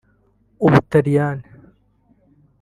u Butaliyani